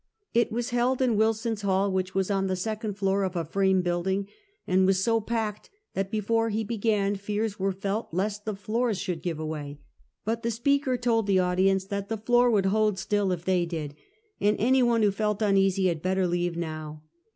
It was held in "Wilson's Hall, which was on the second floor of a frame building, and was so packed that before he be gan fears were felt lest the floors should give way. But the speaker told the audience that the floor would " hold still " if they did; and any one who felt uneasy had better leave now.